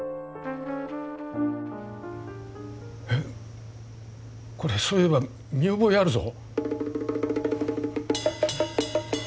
えっこれそういえば見覚えあるぞ。